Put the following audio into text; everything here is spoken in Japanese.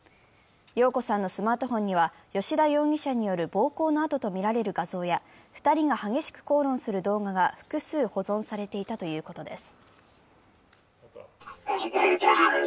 容子さんのスマートフォンには吉田容疑者による暴行の痕とみられる画像や２人が激しく口論する動画が複数保存されていたということです。